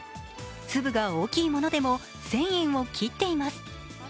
粒が大きいものでも１０００円を切っています。